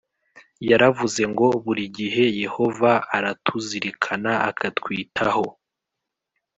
Yaravuze ngo buri gihe Yehova aratuzirikana akatwitaho